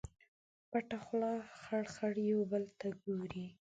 پټه خوله خړ، خړ یو بل ته ګوري